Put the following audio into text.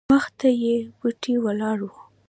مخته یې بوټې ولاړ وو.